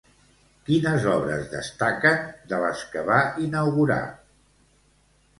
Quines obres destaquen, de les que va inaugurar?